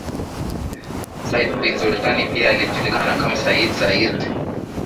Said bin Sultani pia alijulikana kama Sayyid Said